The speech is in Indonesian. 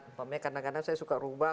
umpamanya kadang kadang saya suka rubah